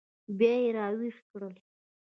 بیا یې راویښ کړل.